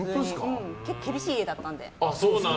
結構、厳しい家だったので。